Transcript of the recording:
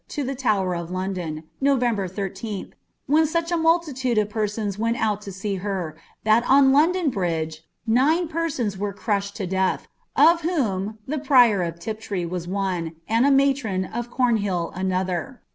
lo the Tower of London, Nov, 13tli, :.i:n such a multitude of persons vrent out to see her, that on I^ndon !: !:;e ninr persons were crushed to death, of whom the prior of Tip '1,1?! I'di .nnd a matron of Cornhdl another.'"